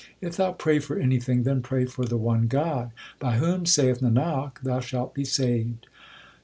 If thou pray for anything, then pray for the one God, By whom, saith Nanak, thou shalt be saved.